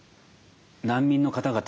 難民の方々